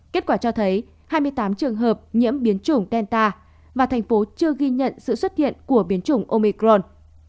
kết quả cho thấy hai mươi tám trường hợp nhiễm biến chủng delta và thành phố chưa ghi nhận sự xuất hiện của biến chủng omicron